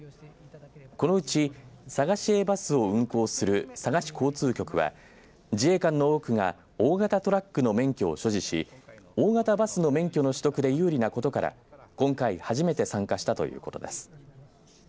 このうち佐賀市営バスを運行する佐賀市交通局は自衛官の多くが大型トラックの免許を所持し大型バスの免許の取得で有利なことから今回、初めて参加したということです。